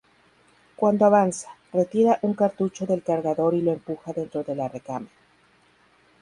Cuando avanza, retira un cartucho del cargador y lo empuja dentro de la recámara.